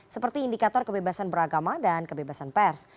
seperti indikator kebebasan beragama dan kebebasan pers